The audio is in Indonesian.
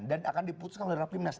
dan akan diputuskan oleh raffi minas